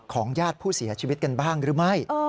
ญาติผู้เสียชีวิตกันบ้างหรือไม่